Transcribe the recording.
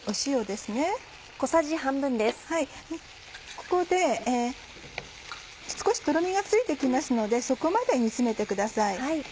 ここで少しとろみがついて来ますのでそこまで煮詰めてください。